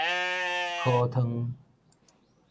洘湯